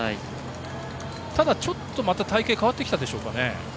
ただ、ちょっと隊形がまた変わってきたでしょうか。